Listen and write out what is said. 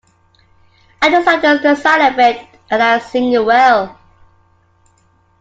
I just like the sound of it, and I sing it well.